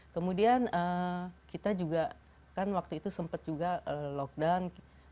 kemudian kita juga kan waktu itu sempat juga lockdown